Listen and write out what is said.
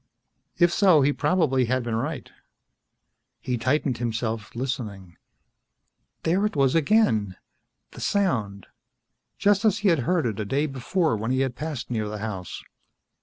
If so, he probably had been right. He tightened himself, listening. There it was again. The sound. Just as he had heard it a day before when he had passed near the house.